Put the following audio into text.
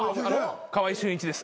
川合俊一です。